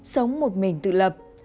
sống một mình tự lập